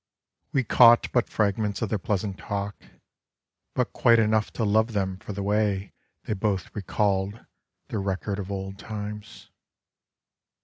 We caught but fragments of their pleasant talk. But quite enough to love them for the way They both recalled the record of old times.